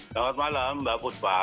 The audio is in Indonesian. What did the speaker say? selamat malam mbak putra